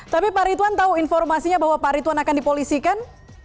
tapi pak rituan tahu informasinya bahwa pak ritwan akan dipolisikan